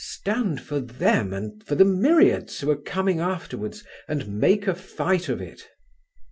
Stand for them and for the myriads who are coming afterwards and make a fight of it."